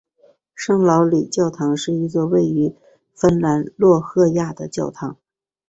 圣劳里教堂是一座位于芬兰洛赫亚的教堂。